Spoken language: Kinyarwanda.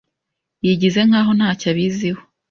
yigize nkaho ntacyo abiziho